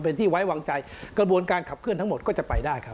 เป็นที่ไว้วางใจกระบวนการขับเคลื่อนทั้งหมดก็จะไปได้ครับ